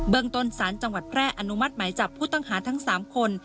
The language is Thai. เบิ่งตนสรรจภรรรย์อนุมัติไหมจับผู้ต้องหาทั้ง๓คน